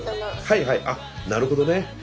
はいはいあっなるほどね。